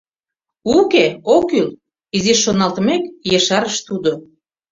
Уке, ок кӱл, — изиш шоналтымек, ешарыш тудо.